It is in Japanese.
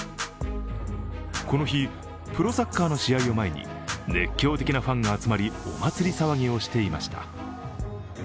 この日、プロサッカーの試合を前に熱狂的なファンが集まりお祭り騒ぎをしていました。